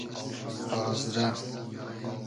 آزرۂ